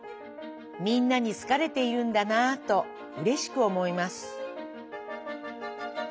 みんなにすかれているんだなぁとうれしくおもいます」。